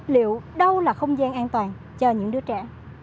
liệu đâu là không gian an toàn cho những đứa trẻ